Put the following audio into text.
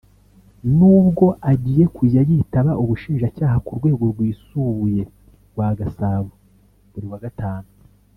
n’ubwo agiye kujya yitaba Ubushinjacyaha ku rwego rwisubuye rwa Gasabo buri wa Gatanu